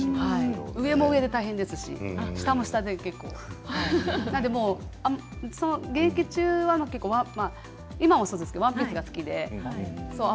上も上で大変ですし、下も結構現役中は今もそうですけどワンピースが好きで。